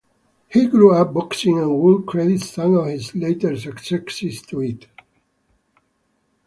He grew up boxing and would credit some of his later successes to it.